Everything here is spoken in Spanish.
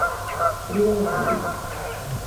Río de Janeiro.